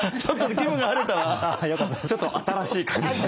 ちょっと新しい感じで。